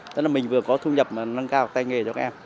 tức là mình vừa có thu nhập mà nâng cao tay nghề cho các em